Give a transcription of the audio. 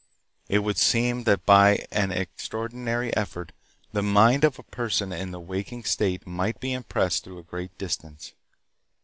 It would seem that by an extraordinary effort the mind of a person in the waking state might be impressed through a great distance.